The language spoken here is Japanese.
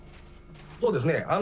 そうですね。